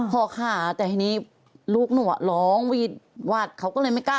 ขอขาแต่ทีนี้ลูกหนูร้องวีดวาดเขาก็เลยไม่กล้า